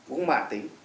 uống mạn tính